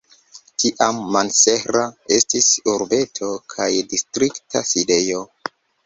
Tiam Mansehra estis urbeto kaj distrikta sidejo.